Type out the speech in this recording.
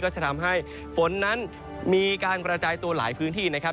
จะทำให้ฝนนั้นมีการกระจายตัวหลายพื้นที่นะครับ